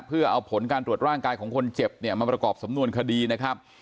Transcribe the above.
เพื่อเอาผลการตรวจร่างกายของคนเจ็บเนี่ยมาประกอบสำนวนคดีนะครับ